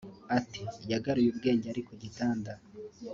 Ati “Yagaruye ubwenge ari ku gitanda